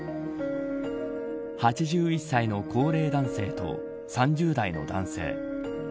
８１歳の高齢男性と３０代の男性。